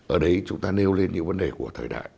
ở đấy chúng ta nêu lên những vấn đề của thời đại